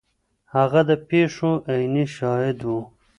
هغه د پیښو عیني شاهد و.